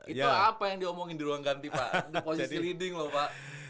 itu apa yang diomongin di ruang ganti pak di posisi leading lho pak